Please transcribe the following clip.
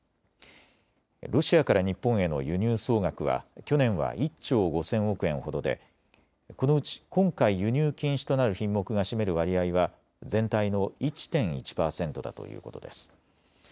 ロシアから日本への輸入総額は去年は１兆５０００億円ほどでこのうち今回、輸入禁止となる品目が占める割合は全体の１．１％だということです。